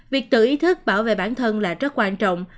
việc tự ý thức bảo vệ bản thân là rất quan trọng